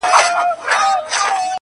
ړوند یو وار امساء ورکوي -